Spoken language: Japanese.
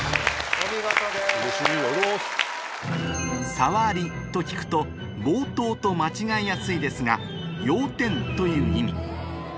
「さわり」と聞くと「冒頭」と間違えやすいですが「要点」という意味